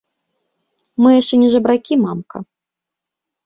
Мы яшчэ не жабракі, мамка!